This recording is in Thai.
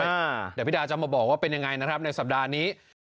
เดี๋ยวพี่ดาจะมาบอกว่าเป็นยังไงนะครับในสัปดาห์นี้